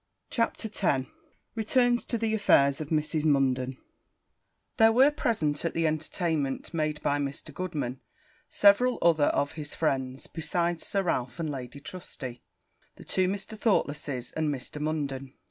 CHAPTER X Returns to the affairs of Mrs. Munden There were present at the entertainment made by Mr. Goodman, several other of his friends, besides Sir Ralph and Lady Trusty, the two Mr. Thoughtlesses, and Mrs. Munden.